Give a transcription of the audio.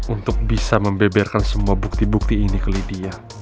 untuk bisa membeberkan semua bukti bukti ini ke lidia